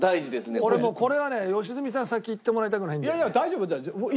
俺もうこれはね良純さん先いってもらいたくないんだよね。